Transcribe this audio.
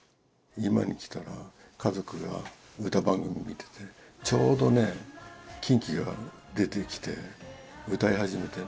居間に来たら家族が歌番組を見ててちょうどねＫｉｎＫｉが出てきて歌い始めて